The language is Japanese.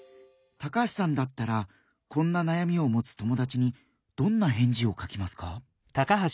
高橋さんだったらこんな悩みを持つ友だちにどんな返事を書きますか？